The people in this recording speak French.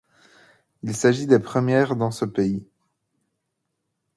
Il s'agit des premières dans ce pays.